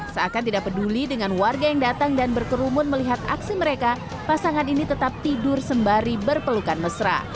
seakan tidak peduli dengan warga yang datang dan berkerumun melihat aksi mereka pasangan ini tetap tidur sembari berpelukan mesra